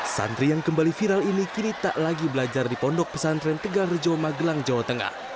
santri yang kembali viral ini kini tak lagi belajar di pondok pesantren tegal rejo magelang jawa tengah